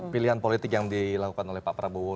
pilihan politik yang dilakukan oleh pak prabowo